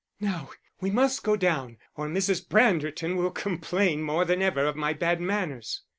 "Now, we must go down, or Mrs. Branderton will complain more than ever of my bad manners."